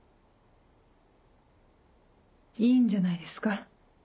いいんじゃないですか。